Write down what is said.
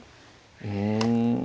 うん。